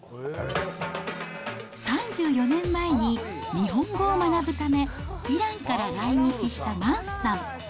３４年前に日本語を学ぶため、イランから来日したマンスさん。